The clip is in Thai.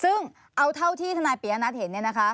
อ๋อซึ่งเอาเท่าที่ธนาปียนัทเห็น